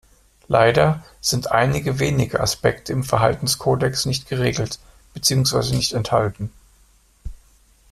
Leider sind einige wenige Aspekte im Verhaltenskodex nicht geregelt bzw. nicht enthalten.